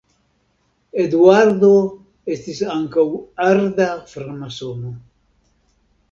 Eduardo estis ankaŭ arda framasono.